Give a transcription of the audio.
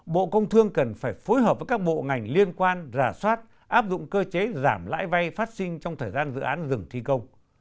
bộ công thương cần phải phối hợp với các bộ ngành liên quan rà soát áp dụng cơ chế giảm lãi vay phát sinh trong thời gian dự án dừng thi công